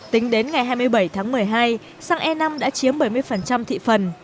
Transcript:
tính đến ngày hai mươi bảy tháng một mươi hai xăng e năm đã chiếm bảy mươi thị phần